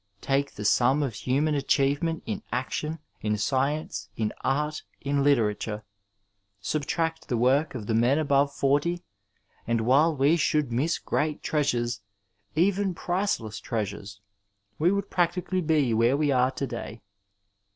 Take the sum of human achievement in action, in science, in art, in literature nmbtract the work 897 Digitized by VjOOQIC THB FIXED PERIOD of the men above forty, and while we should miss great treasures, even priceless treasures, we would practiccdly be where we are to day.